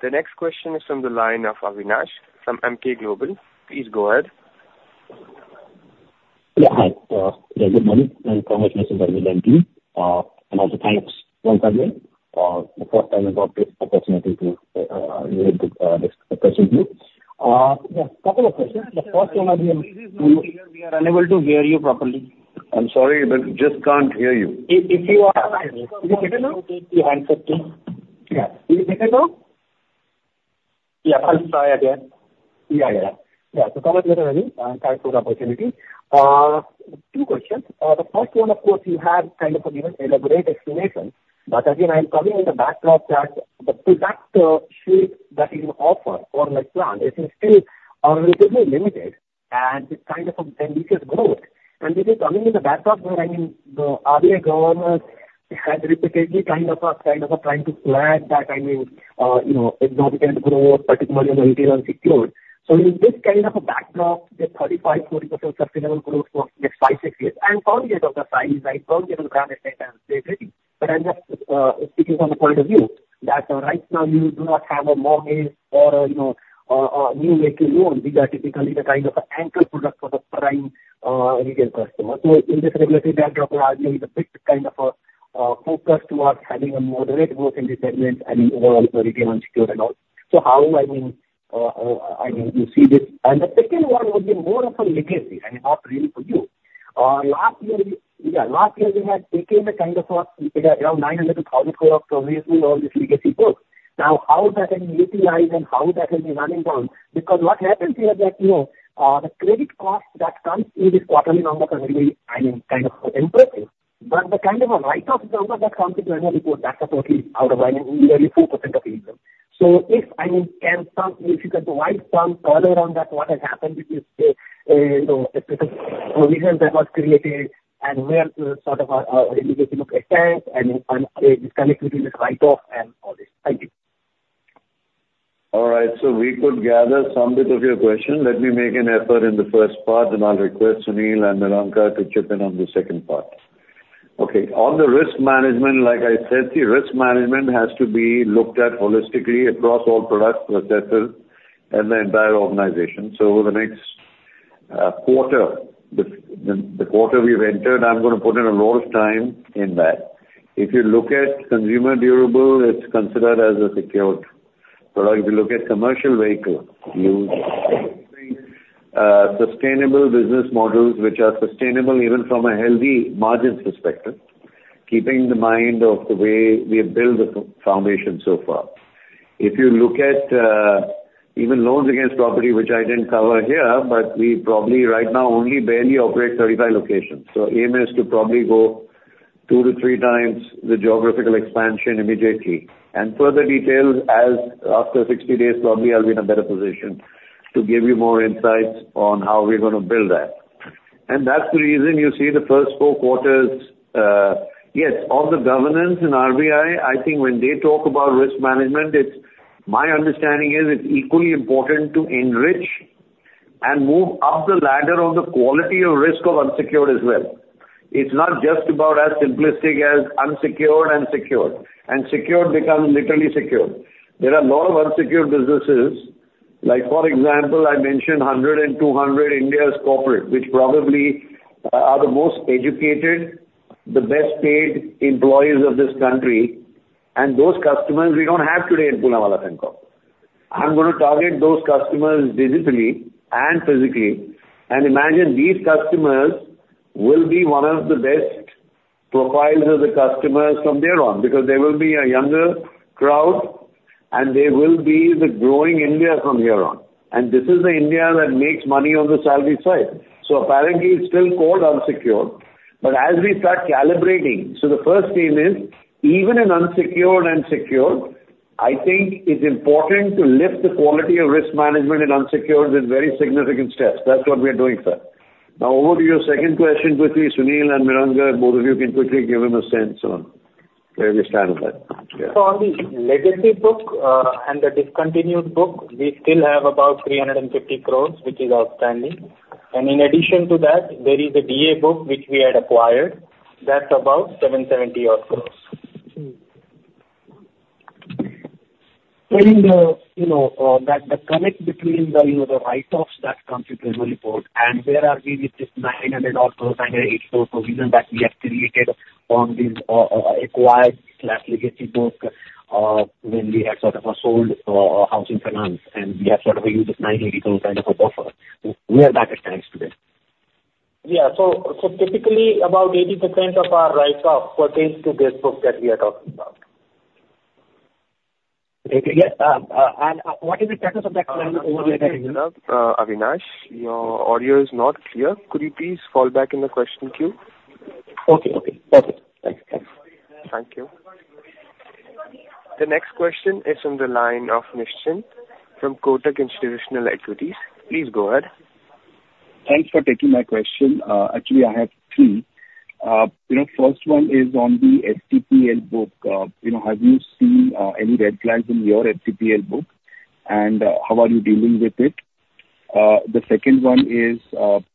The next question is from the line of Avinash from Emkay Global. Please go ahead. Yeah, hi. Yeah, good morning, and congratulations on the results, and also thanks once again. The first time I got this opportunity to raise this question to you. Yeah, couple of questions. The first one I mean- Please speak louder. We are unable to hear you properly. I'm sorry, but just can't hear you. If you are- Can you hear now? Yeah. Can you hear me now? Yeah, I'll try again. Yeah, yeah. Yeah, so congratulations, Anil, and thanks for the opportunity. Two questions. The first one, of course, you have kind of an elaborate explanation, but again, I'm coming in the backdrop that the product suite that you offer or like, plan, is still a little bit limited, and it's kind of a ambitious growth. And this is coming in the backdrop where, I mean, the RBI governor has repeatedly kind of, kind of, trying to flag that, I mean, you know, exorbitant growth, particularly in the retail unsecured. So in this kind of a backdrop, the 35%-40% sustainable growth for next 5-6 years, and forget about the size, right? Forget about the brand and stability. But I'm just speaking from the point of view that right now you do not have a mortgage or a, you know, a new vehicle loan; these are typically the kind of anchor product for the prime retail customer. So in this regulatory backdrop, RBI is a bit kind of focused towards having a moderate growth in this segment and overall to retail unsecured and all. So how, I mean, you see this? And the second one would be more of a legacy and not really for you. Last year, yeah, last year, you had taken a kind of around 900-1,000 crore of previously all this legacy book. Now, how that can be utilized and how that will be running down? Because what happens here that, you know, the credit cost that comes in this quarterly number is really, I mean, kind of impressive. But the kind of a write-off number that comes into annual report, that's totally out of line, nearly 4% of the income. So if, I mean, if you can provide some color around that, what has happened with this, you know, the provision that was created and where sort of, legacy look at time and, and connectivity with write-off and all this. Thank you. All right. So we could gather some bit of your question. Let me make an effort in the first part, and I'll request Sunil and Milanka to chip in on the second part. Okay. On the risk management, like I said, the risk management has to be looked at holistically across all products, processes, and the entire organization. So over the next quarter, the quarter we've entered, I'm gonna put in a lot of time in that. If you look at consumer durable, it's considered as a secured product. If you look at commercial vehicle use, sustainable business models, which are sustainable even from a healthy margins perspective, keeping the mind of the way we have built the foundation so far. If you look at even loans against property, which I didn't cover here, but we probably right now only barely operate 35 locations. So aim is to probably go two to three times the geographical expansion immediately. And further details, as after 60 days, probably I'll be in a better position to give you more insights on how we're gonna build that. And that's the reason you see the first four quarters. Yes, on the governance and RBI, I think when they talk about risk management, it's my understanding is it's equally important to enrich and move up the ladder of the quality of risk of unsecured as well. It's not just about as simplistic as unsecured and secured, and secured becomes literally secured. There are a lot of unsecured businesses, like, for example, I mentioned 100 and 200 India's corporate, which probably are the most educated, the best paid employees of this country, and those customers we don't have today in Poonawalla Fincorp. I'm gonna target those customers digitally and physically, and imagine these customers will be one of the best profiles of the customers from there on, because they will be a younger crowd.... and they will be the growing India from here on, and this is the India that makes money on the salary side. So apparently, it's still called unsecured, but as we start calibrating, so the first thing is, even in unsecured and secured, I think it's important to lift the quality of risk management in unsecured with very significant steps. That's what we are doing, sir. Now, over to your second question quickly, Sunil and Hiren, both of you can quickly give him a sense on where we stand on that. Yeah. So on the legacy book, and the discontinued book, we still have about 350 crore, which is outstanding. In addition to that, there is a DA book which we had acquired, that's about 770 odd crore. You know, that the connect between the, you know, the write-offs that comes into your report and where are we with this 900-odd crores, 980 crore provision that we have created on this acquired/legacy book, when we had sort of sold our housing finance, and we have sort of used this 980 kind of a buffer. Where that stands today? Yeah. So, typically, about 80% of our write-off pertains to this book that we are talking about. Okay. Yeah, and what is the status of that? Avinash, your audio is not clear. Could you please call back in the question queue? Okay. Okay. Perfect. Thanks. Thank you. The next question is on the line of Nischint from Kotak Institutional Equities. Please go ahead. Thanks for taking my question. Actually, I have three. You know, first one is on the STPL book. You know, have you seen any red flags in your STPL book, and how are you dealing with it? The second one is,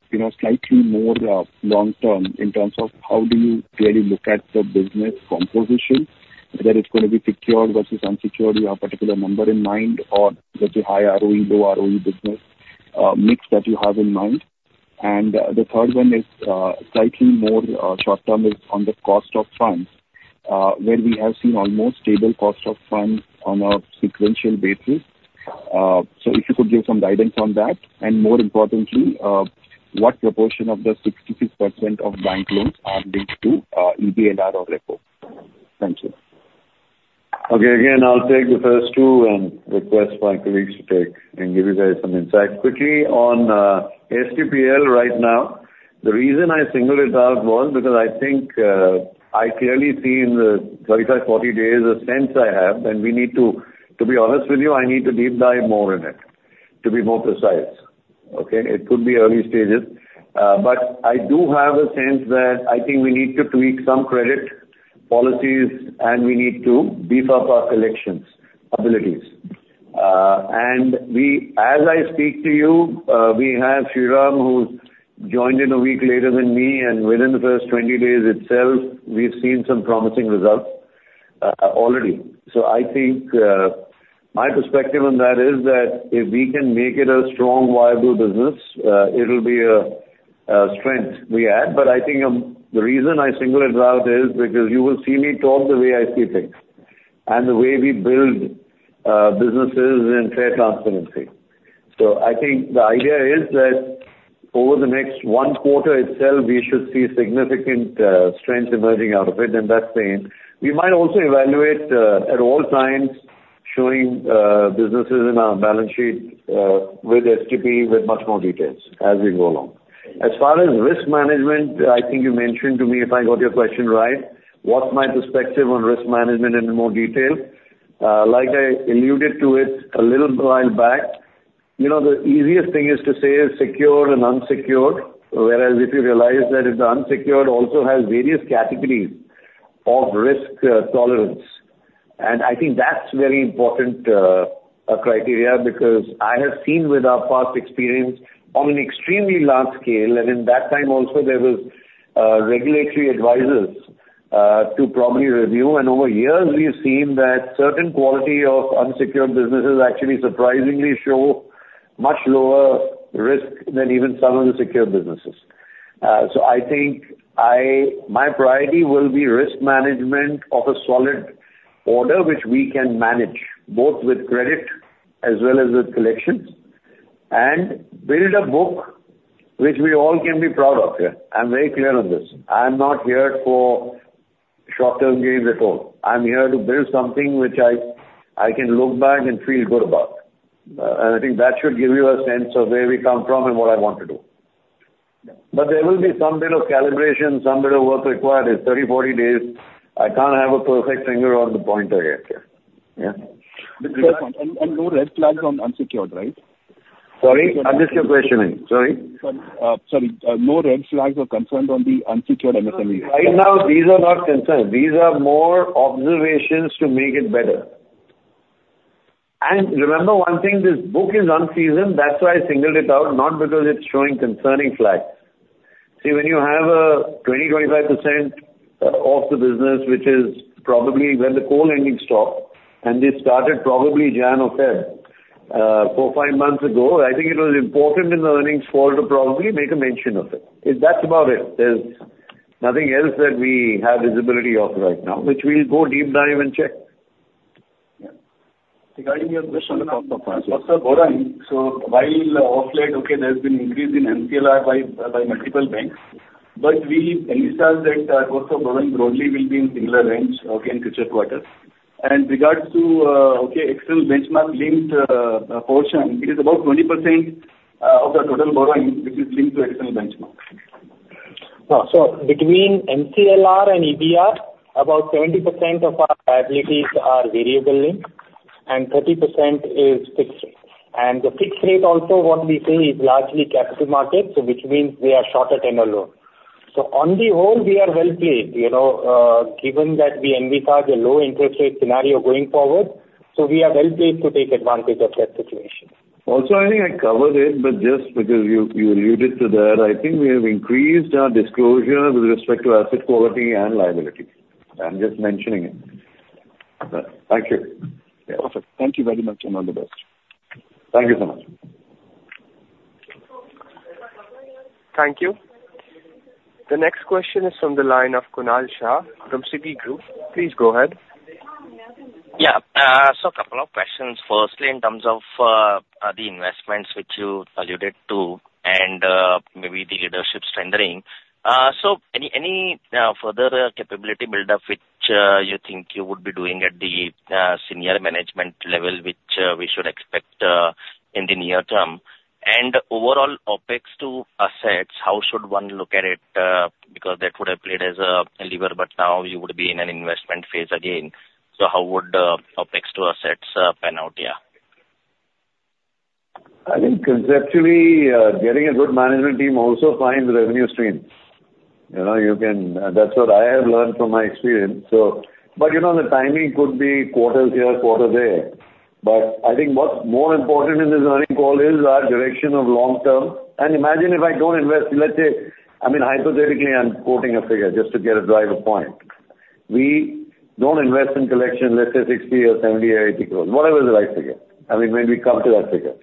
you know, slightly more long term in terms of how do you clearly look at the business composition, whether it's gonna be secured versus unsecured. You have a particular number in mind or just a high ROE, low ROE business mix that you have in mind? And the third one is slightly more short term, is on the cost of funds, where we have seen almost stable cost of funds on a sequential basis. So if you could give some guidance on that, and more importantly, what proportion of the 66% of bank loans are linked to EBLR or repo? Thank you. Okay. Again, I'll take the first two and request my colleagues to take and give you guys some insight. Quickly on HTPL right now, the reason I singled it out was because I think I clearly see in the 35-40 days, a sense I have, and we need to... To be honest with you, I need to deep dive more in it, to be more precise. Okay? It could be early stages, but I do have a sense that I think we need to tweak some credit policies, and we need to beef up our collections abilities. And we, as I speak to you, we have Shriram, who joined a week later than me, and within the first 20 days itself, we've seen some promising results already. So I think, my perspective on that is that if we can make it a strong, viable business, it'll be a, a strength we add. But I think, the reason I single it out is because you will see me talk the way I see things and the way we build, businesses in fair transparency. So I think the idea is that over the next one quarter itself, we should see significant, strength emerging out of it, and that's saying. We might also evaluate, at all times, showing, businesses in our balance sheet, with STP, with much more details as we go along. As far as risk management, I think you mentioned to me, if I got your question right, what's my perspective on risk management in more detail? Like I alluded to it a little while back, you know, the easiest thing is to say is secured and unsecured, whereas if you realize that the unsecured also has various categories of risk tolerance. And I think that's very important criteria, because I have seen with our past experience on an extremely large scale, and in that time also, there was regulatory advisers to probably review. And over years, we've seen that certain quality of unsecured businesses actually surprisingly show much lower risk than even some of the secured businesses. So I think my priority will be risk management of a solid order, which we can manage both with credit as well as with collections, and build a book which we all can be proud of here. I'm very clear on this. I'm not here for short-term gains at all. I'm here to build something which I, I can look back and feel good about. And I think that should give you a sense of where we come from and what I want to do. But there will be some bit of calibration, some bit of work required. In 30, 40 days, I can't have a perfect finger on the pointer yet here. Yeah. And no red flags on unsecured, right? Sorry, I missed your question. Sorry. Sorry. No red flags or concerns on the unsecured NBFC. Right now, these are not concerns. These are more observations to make it better. And remember one thing, this book is unseasoned, that's why I singled it out, not because it's showing concerning flags. See, when you have a 20-25% of the business, which is probably where the co-lending stopped, and they started probably Jan or Feb, 4-5 months ago, I think it was important in the earnings call to probably make a mention of it. That's about it. There's nothing else that we have visibility of right now, which we'll go deep dive and check. Regarding your question on the cost of funds. Sir, while of late, there's been increase in MCLR by multiple banks.... But we anticipate that our cost of borrowing broadly will be in similar range, okay, in future quarters. And regards to, okay, external benchmark linked portion, it is about 20%, of the total borrowing, which is linked to external benchmark. No, so between MCLR and EBLR, about 70% of our liabilities are variable linked and 30% is fixed. And the fixed rate also, what we see is largely capital markets, so which means we are shorter than a loan. So on the whole, we are well placed, you know, given that we envisage a low interest rate scenario going forward, so we are well placed to take advantage of that situation. Also, I think I covered it, but just because you alluded to that, I think we have increased our disclosure with respect to asset quality and liability. I'm just mentioning it. Thank you. Yeah. Perfect. Thank you very much, and all the best. Thank you so much. Thank you. The next question is from the line of Kunal Shah from Citigroup. Please go ahead. Yeah. So a couple of questions. Firstly, in terms of, the investments which you alluded to and, maybe the leadership strengthening. So any, any, further capability build up, which, you think you would be doing at the, senior management level, which, we should expect, in the near term? And overall OpEx to assets, how should one look at it? Because that would have played as a lever, but now you would be in an investment phase again. So how would, OpEx to assets, pan out? Yeah. I think conceptually, getting a good management team also finds revenue streams. You know, that's what I have learned from my experience. But you know, the timing could be quarter here, quarter there. But I think what's more important in this earnings call is our long-term direction. And imagine if I don't invest, let's say, I mean, hypothetically, I'm quoting a figure just to drive the point. We don't invest in collection, let's say, 60 crore or 70 crore or 80 crore, whatever the right figure, I mean, when we come to that figure.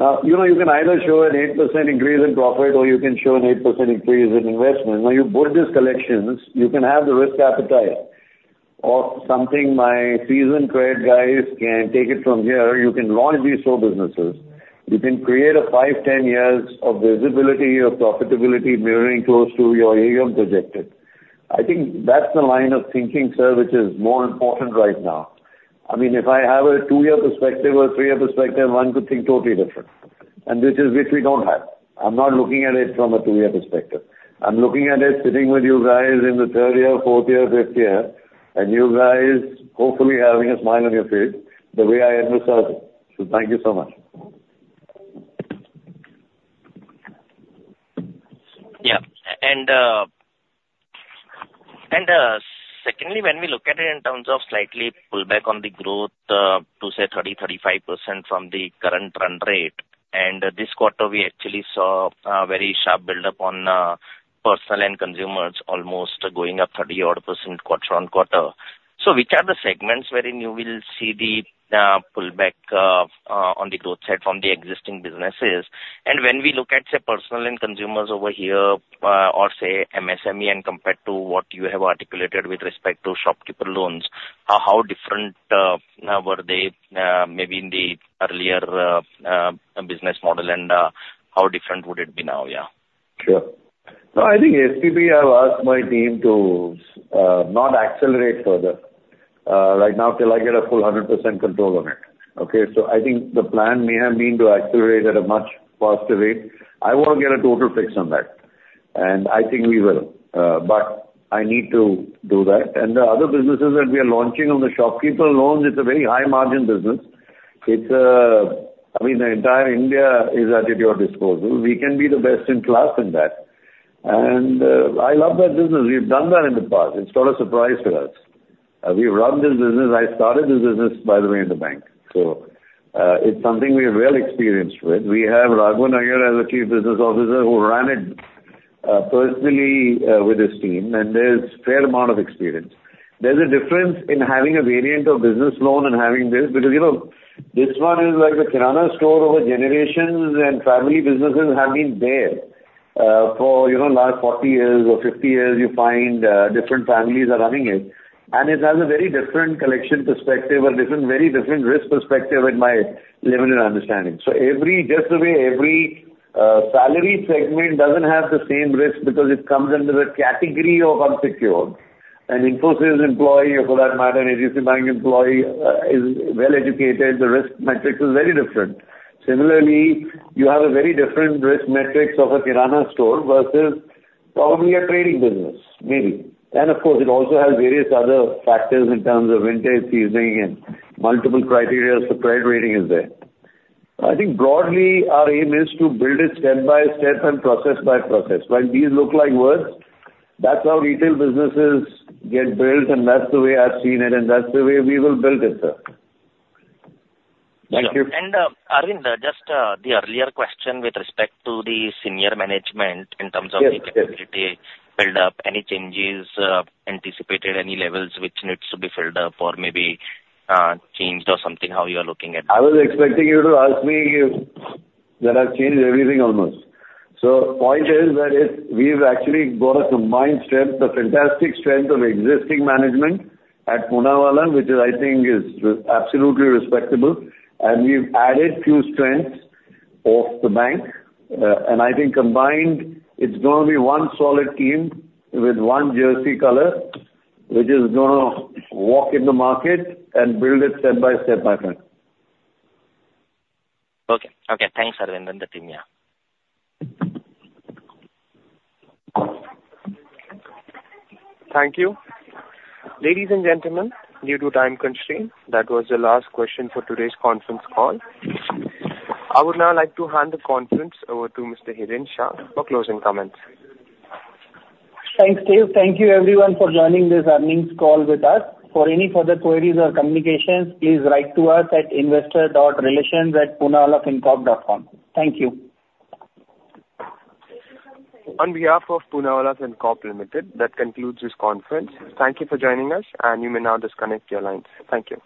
Now, you know, you can either show an 8% increase in profit, or you can show an 8% increase in investment. When you build these collections, you can have the risk appetite or something my seasoned credit guys can take it from here, you can launch these whole businesses. You can create 5, 10 years of visibility, of profitability mirroring close to your AUM projected. I think that's the line of thinking, sir, which is more important right now. I mean, if I have a 2-year perspective or a 3-year perspective, one could think totally different, and which is, which we don't have. I'm not looking at it from a 2-year perspective. I'm looking at it sitting with you guys in the third year, fourth year, fifth year, and you guys hopefully having a smile on your face the way I envisage it. So thank you so much. Yeah. And secondly, when we look at it in terms of slightly pull back on the growth, to say 30, 35% from the current run rate, and this quarter, we actually saw very sharp buildup on personal and consumers, almost going up 30-odd% quarter-on-quarter. So which are the segments wherein you will see the pull back on the growth side from the existing businesses? And when we look at, say, personal and consumers over here, or say MSME, and compared to what you have articulated with respect to shopkeeper loans, how different were they, maybe in the earlier business model, and how different would it be now, yeah? Sure. No, I think SPB, I've asked my team to not accelerate further right now till I get a full 100% control on it. Okay? So I think the plan may have been to accelerate at a much faster rate. I want to get a total fix on that, and I think we will, but I need to do that. And the other businesses that we are launching on the shopkeeper loans, it's a very high margin business. It's. I mean, the entire India is at your disposal. We can be the best in class in that. And I love that business. We've done that in the past. It's not a surprise to us. We've run this business. I started this business, by the way, in the bank. So it's something we are well experienced with. We have Raghunandan as a Chief Business Officer who ran it personally with his team, and there's fair amount of experience. There's a difference in having a variant of business loan and having this, because, you know, this one is like the kirana store over generations and family businesses have been there for, you know, last 40 years or 50 years, you find different families are running it. And it has a very different collection perspective or different, very different risk perspective in my limited understanding. So every, just the way every salary segment doesn't have the same risk because it comes under a category of unsecured. An Infosys employee, or for that matter, an HDFC Bank employee is well educated, the risk matrix is very different. Similarly, you have a very different risk matrix of a kirana store versus probably a trading business, maybe. Of course, it also has various other factors in terms of interest, seasoning, and multiple criteria for credit rating is there. I think broadly, our aim is to build it step by step and process by process. While these look like words, that's how retail businesses get built, and that's the way I've seen it, and that's the way we will build it, sir. Thank you. And, Arvind, just, the earlier question with respect to the senior management in terms of- Yes, yes. The capability build up, any changes anticipated, any levels which needs to be filled up or maybe changed or something, how you are looking at it? I was expecting you to ask me that I've changed everything almost. So point is that is we've actually got a combined strength, a fantastic strength of existing management at Poonawalla, which is, I think is absolutely respectable, and we've added few strengths of the bank. And I think combined, it's gonna be one solid team with one jersey color, which is gonna walk in the market and build it step by step, my friend. Okay. Okay, thanks, Arvind, and the team, yeah. Thank you. Ladies and gentlemen, due to time constraint, that was the last question for today's conference call. I would now like to hand the conference over to Mr. Hiren Shah for closing comments. Thanks, Dave. Thank you everyone for joining this earnings call with us. For any further queries or communications, please write to us at investor.relations@poonawallafincorp.com. Thank you. On behalf of Poonawalla Fincorp Limited, that concludes this conference. Thank you for joining us, and you may now disconnect your lines. Thank you.